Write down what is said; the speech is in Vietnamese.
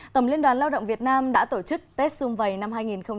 tổng liên đoàn lao động việt nam đã tổ chức tết xung vầy năm hai nghìn hai mươi